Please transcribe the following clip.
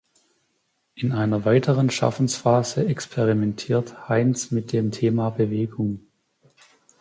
In einer weiteren Schaffensphase experimentiert Heinz mit dem Thema Bewegung.